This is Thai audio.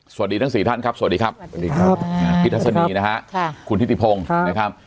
สวัสดีทั้ง๔ท่านครับสวัสดีครับสวัสดีครับพี่ทัศนีนะฮะคุณทิติพงศ์นะครับ